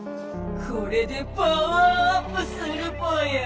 これでパワーアップするぽよ！